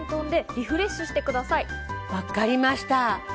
分かりました。